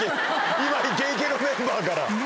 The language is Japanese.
今イケイケのメンバーから。